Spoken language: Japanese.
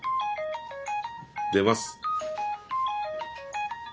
出ます。